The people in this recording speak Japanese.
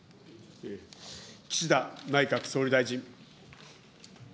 岸田内閣総理大臣。